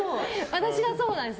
私がそうなんです。